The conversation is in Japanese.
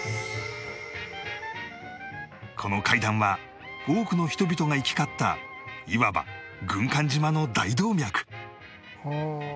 この階段は多くの人々が行き交ったいわば軍艦島の大動脈